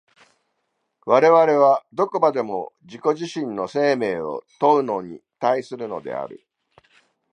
我々はどこまでも自己自身の生死を問うものに対するのである。